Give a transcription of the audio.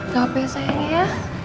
gak apa apa ya sayangnya ya